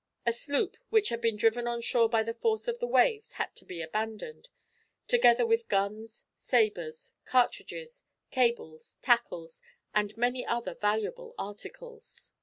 A sloop which had been driven on shore by the force of the waves had to be abandoned, together with guns, sabres, cartridges, cables, tackle, and many other valuable articles.